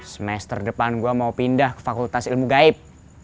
semester depan gue mau pindah ke fakultas ilmu gaib